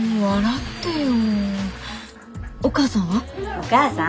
お母さん？